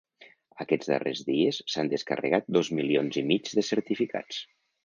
Aquests darrers dies s’han descarregat dos milions i mig de certificats.